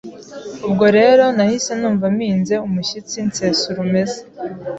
Ubwo rero nahise numva mpinze umushyitsi, nsesa urumeza,